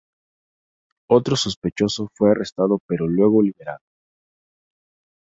Otro sospechoso fue arrestado pero luego liberado.